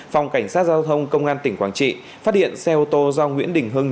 phòng cảnh sát giao thông công an tỉnh quảng trị phát hiện xe ô tô do nguyễn đình hưng